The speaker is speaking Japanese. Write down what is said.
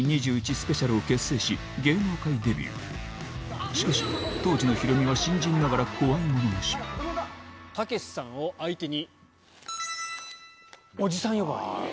スペシャルを結成し芸能界デビューしかし当時のヒロミはたけしさんを相手に。